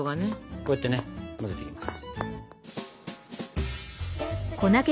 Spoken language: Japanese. こうやってね混ぜていきます。